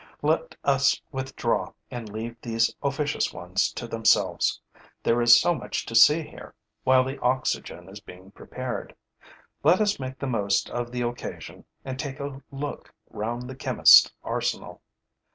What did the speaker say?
Let us withdraw and leave these officious ones to themselves. There is so much to see here, while the oxygen is being prepared. Let us make the most of the occasion and take a look round the chemist's arsenal.